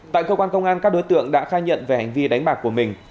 tại cơ quan công an các đối tượng đã khai nhận về hành vi đánh bạc của mình